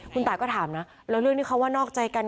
คุณตายก็ถามนะแล้วเรื่องที่เขาว่านอกใจกัน